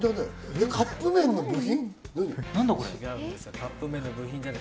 カップ麺の部品？